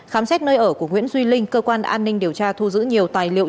khám xét nơi ở của nguyễn duy linh cơ quan an ninh điều tra thu giữ nhiều tài liệu